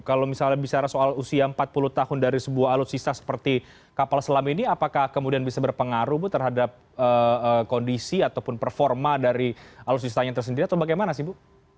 kalau misalnya bicara soal usia empat puluh tahun dari sebuah alutsista seperti kapal selam ini apakah kemudian bisa berpengaruh bu terhadap kondisi ataupun performa dari alutsistanya tersendiri atau bagaimana sih bu